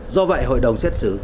do vậy hội đồng xét xử